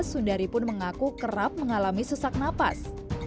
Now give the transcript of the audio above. sundari pun mengaku kerap mengalami sesak nafas